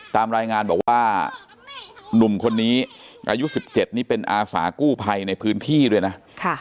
ตามรายงานบอกว่าหนุ่มคนนี้อายุ๑๗นี่เป็นอาสากู้ภัยในพื้นที่ด้วยนะ